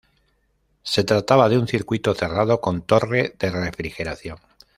Se trataba de un circuito cerrado con torre de refrigeración.